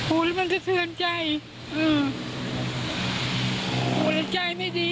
ผู้แล้วมันจะเทือนใจอืมผู้แล้วใจไม่ดี